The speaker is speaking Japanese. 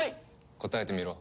答えてみろ。